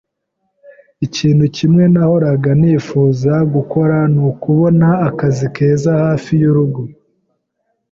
Ikintu kimwe nahoraga nifuza gukora nukubona akazi keza hafi yurugo.